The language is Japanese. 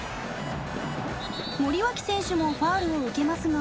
森脇選手もファウルを受けますが。